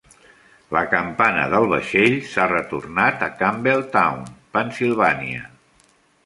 La campana del vaixell s"ha retornat a Campbelltown, Pennsilvània.